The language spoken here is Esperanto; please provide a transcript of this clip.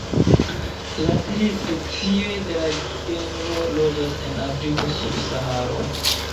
La tri specioj de la genro loĝas en Afriko sub Saharo.